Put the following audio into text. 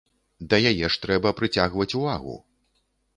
Да яе ж трэба прыцягваць увагу.